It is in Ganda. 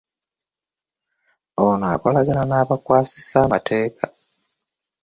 Ono akolagana n'abakwasisa amateeeka.